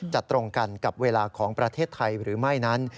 ตรงกันกับเวลาของประเทศไทยหรือไม่นั้น